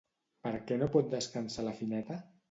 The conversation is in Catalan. Per què no pot descansar la Fineta?